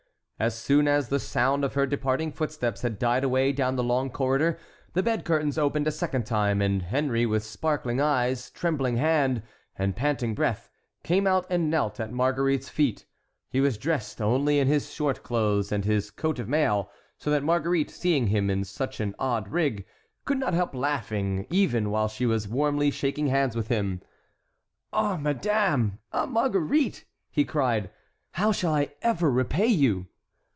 As soon as the sound of her departing footsteps had died away down the long corridor, the bed curtains opened a second time, and Henry, with sparkling eyes, trembling hand, and panting breath, came out and knelt at Marguerite's feet; he was dressed only in his short clothes and his coat of mail, so that Marguerite, seeing him in such an odd rig, could not help laughing even while she was warmly shaking hands with him. "Ah, madame! ah, Marguerite!" he cried, "how shall I ever repay you?"